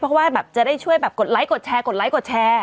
เพราะว่าจะได้ช่วยกดไลก์กดแชร์กดไลก์กดแชร์